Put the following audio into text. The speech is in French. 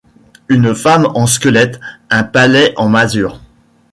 Une femme en squelette, un palais en masure ;